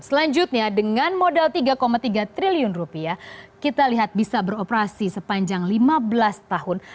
selanjutnya dengan modal tiga tiga triliun rupiah kita lihat bisa beroperasi sepanjang lima belas tahun